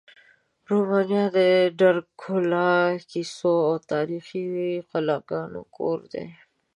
رومانیا د ډرکولا کیسو او تاریخي قلاګانو کور دی.